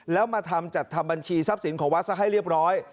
แล้วมาทำจัดทำบัญชีทรัพย์สินของวัดซะให้เรียบร้อย